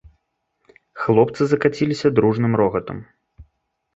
Хлопцы закаціліся дружным рогатам.